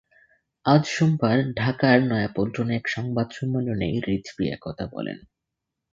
আজ সোমবার ঢাকার নয়াপল্টনে এক সংবাদ সম্মেলনে রিজভী এ কথা বলেন।